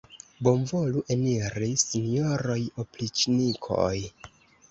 Bonvolu eniri, sinjoroj opriĉnikoj!